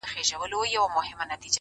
هره تجربه د ژوند نوی رنګ ورزیاتوي؛